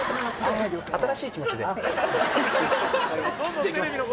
じゃあいきますよ